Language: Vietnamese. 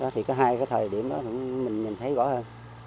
thì cái hai cái thời điểm đó mình nhìn thấy rõ hơn